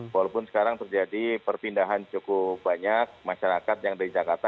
walaupun sekarang terjadi perpindahan cukup banyak masyarakat yang dari jakarta